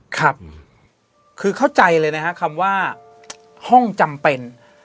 ครับคือเข้าใจเลยนะฮะคำว่าห้องจำเป็น